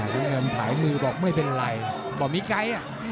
พี่เงินถ่ายมือบอกไม่เป็นไรบอกมีไกล่อ่ะ